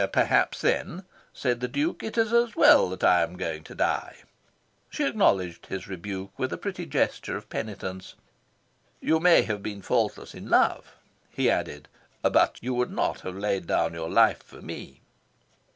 "Perhaps then," said the Duke, "it is as well that I am going to die." She acknowledged his rebuke with a pretty gesture of penitence. "You may have been faultless in love," he added; "but you would not have laid down your life for me."